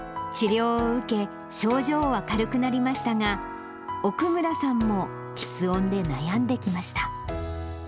治療を受け、症状は軽くなりましたが、奥村さんもきつ音で悩んできました。